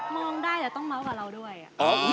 มองได้แต่ต้องเมาส์กับเราด้วย